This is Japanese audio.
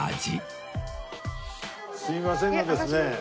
すいませんがですね